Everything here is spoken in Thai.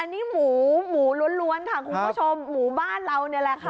อันนี้หมูหมูล้วนค่ะคุณผู้ชมหมู่บ้านเรานี่แหละค่ะ